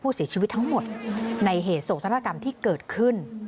เสียชีวิตทั้งหมดในเหตุโศกธนกรรมที่เกิดขึ้น